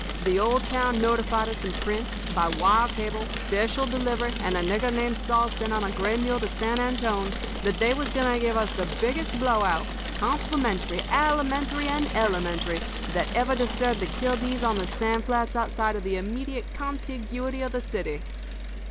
The old town notified us in print, by wire cable, special delivery, and a nigger named Saul sent on a gray mule to San Antone, that they was going to give us the biggest blow out, complimentary, alimentary, and elementary, that ever disturbed the kildees on the sand flats outside of the immediate contiguity of the city.